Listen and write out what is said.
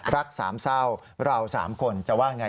รักสามเศร้าเราสามคนจะว่าไง